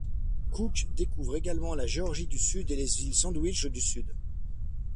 Cook découvre également la Géorgie du Sud et les îles Sandwich du Sud.